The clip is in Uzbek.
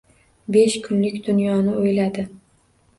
Besh kunlik dunyoni o‘yladi...